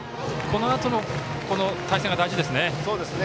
このあとの対戦が大事ですね。